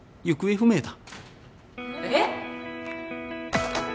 行方不明！？